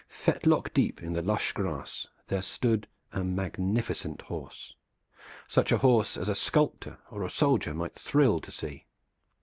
Fetlock deep in the lush grass there stood a magnificent horse, such a horse as a sculptor or a soldier might thrill to see.